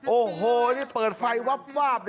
โอ้โหนี่เปิดไฟวับวาบ